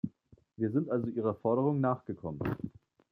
Wir sind also ihrer Forderung nachgekommen.